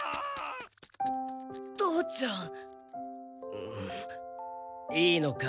うむいいのか？